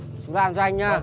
chú làm cho anh nhá